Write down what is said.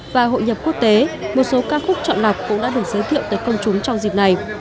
và hội nhập quốc tế một số ca khúc chọn lọc cũng đã được giới thiệu tới công chúng trong dịp này